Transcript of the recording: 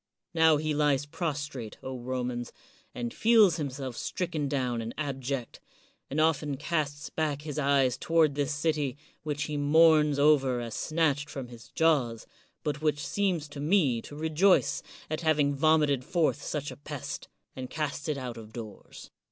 Now he lies prostrate, O Romans, and feels himself stricken down and ab ject, and often casts back his eyes toward this city, which he mourns over as snatched from his jaws, but which seems to me to rejoice at having vomited forth such a pest, and cast it out of doors.